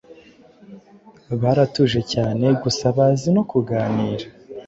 baratuje cyane gusa bazi no kuganira